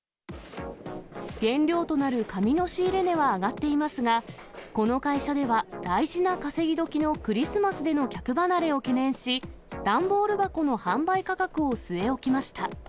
原料となる紙の仕入れ値は上がっていますが、この会社では大事な稼ぎ時のクリスマスでの客離れを懸念し、段ボール箱の販売価格を据え置きました。